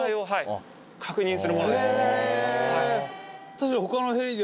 確かに。